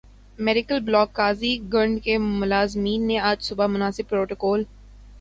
medical block Qazigund کے ملازمین نے آج صبح مناسب پروٹوکول ک